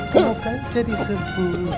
bukan jadi sebuah